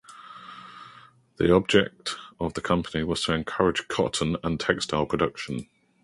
The object of the company was to encourage cotton and textile production.